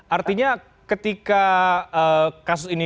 artinya ketika kasus ini